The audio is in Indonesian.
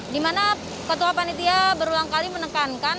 di mana ketua panitia berulang kali menekankan